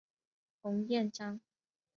彭彦章。